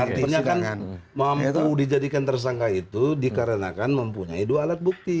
artinya kan mampu dijadikan tersangka itu dikarenakan mempunyai dua alat bukti